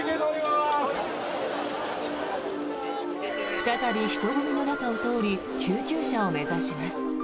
再び、人混みの中を通り救急車を目指します。